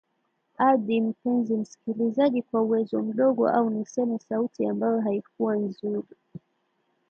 adhi mpenzi msikilijazi kwa uwezo mdogo au niseme sauti ambayo haikuwa nzuri